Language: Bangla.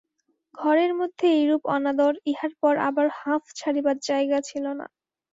ঘরের মধ্যে এইরূপ অনাদর, ইহার পর আবার হাঁফ ছাড়িবার জায়গা ছিল না।